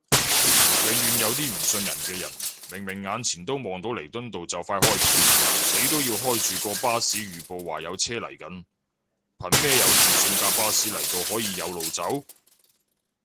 永遠有啲唔信人嘅人，明明眼前都望到彌敦道就快開片，死都要開住個巴士預報話有車嚟緊，憑咩有自信架巴士嚟到可以有路走？